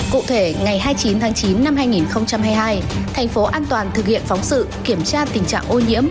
cụ thể ngày hai mươi chín tháng chín năm hai nghìn hai mươi hai thành phố an toàn thực hiện phóng sự kiểm tra tình trạng ô nhiễm